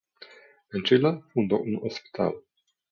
En Chile fundó un hospital.